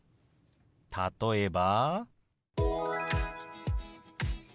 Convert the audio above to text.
例えば。